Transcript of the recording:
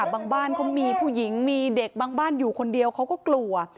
บางบ้านเขามีผู้หญิงมีเด็กบางบ้านอยู่คนเดียวเขาก็กลัว